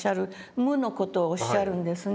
無の事をおっしゃるんですね。